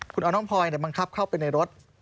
คุณเอาน้องพลอยบังคับเข้าไปในรถ